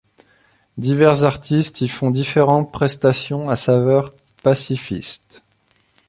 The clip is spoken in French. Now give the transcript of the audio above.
Divers artistes y font différentes prestations à saveur pacifistes.